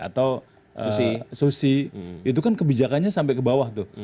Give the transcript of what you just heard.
atau susi itu kan kebijakannya sampai ke bawah tuh